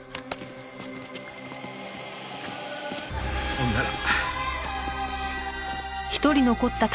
ほんなら。